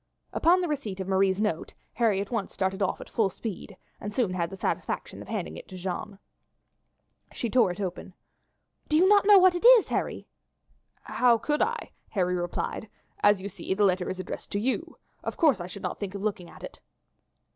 Upon the receipt of Marie's note Harry at once started off at full speed and soon had the satisfaction of handing it to Jeanne. She tore it open. "Do you not know what it is, Harry?" "How could I?" Harry replied. "As you see the letter is addressed to you. Of course I should not think of looking at it."